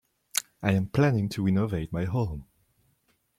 I am planning to renovate my home.